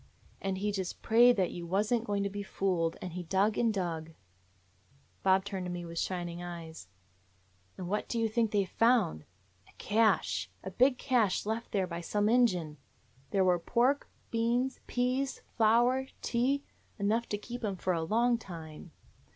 And he just prayed that you was n't going to be fooled, and he dug and dug —" Bob turned to me with shining eyes. "And what do you think they found? A cache! A big cache left there by some Injun. There were pork, beans, peas, flour, tea — enough to keep 'em for a long time.